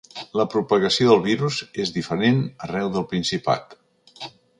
La propagació del virus és diferent arreu del Principat.